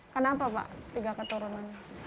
kenapa pak tiga keturunan